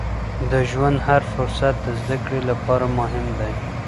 د ژوند هر فرصت د زده کړې لپاره مهم دی.